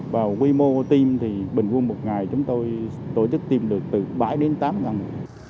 và quy mô tiêm thì bình quân một ngày chúng tôi tổ chức tiêm được từ bảy đến tám người